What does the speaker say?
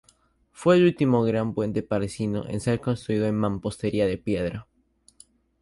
Fue el último gran puente parisino en ser construido en mampostería de piedra.